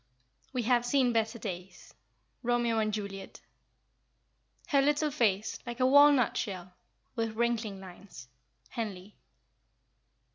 "We have seen better days." ROMEO AND JULIET. "Her little face, like a walnut shell, With wrinkling lines." HENLEY.